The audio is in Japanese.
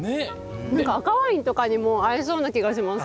赤ワインとかにも合いそうな気がします。